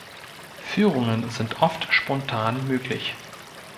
Führungen sind oft spontan möglich.